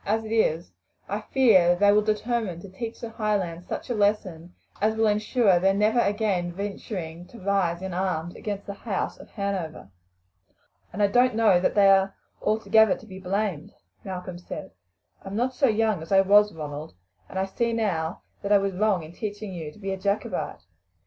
As it is, I fear that they will determine to teach the Highlands such a lesson as will ensure their never again venturing to rise in arms against the house of Hanover." "And I don't know that they are altogether to be blamed," Malcolm said. "I am not so young as I was, Ronald, and I see now that I was wrong in teaching you to be a Jacobite.